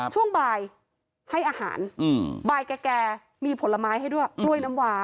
ช่วงบ่ายให้อาหารบ่ายแก่มีผลไม้ให้ด้วยกล้วยน้ำวา